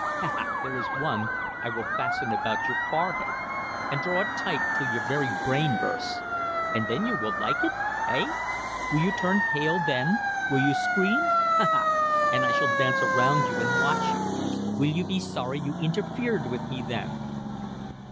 Ha, ha! There is one I will fasten about your forehead and draw it tight till your very brain bursts. And then will you like it? Hey? Will you turn pale then? Will you scream? Ha, ha! and I shall dance around you and watch you. Will you be sorry you interfered with me then?"